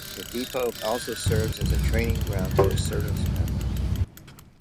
The depot also serves as a training ground for service members.